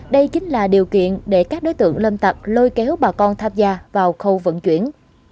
đây chính là điều kiện để các đối tượng lâm tặc lôi kéo bà con tham gia vào khâu vận chuyển